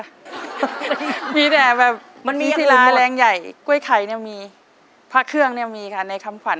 มันมีอักลุ่มหมดมีแถวสิราแรงใหญ่ก้วยไข่พระเครื่องมีค่ะในคำฝัน